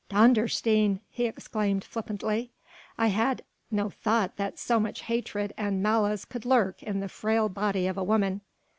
"Dondersteen," he exclaimed flippantly, "I had no thought that so much hatred and malice could lurk in the frail body of a woman